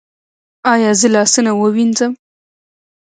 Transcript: ایا زه لاسونه ووینځم؟